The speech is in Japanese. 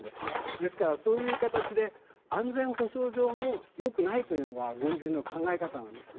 ですから、そういう形で安全保障上もよくないというのが軍人の考え方なんですね。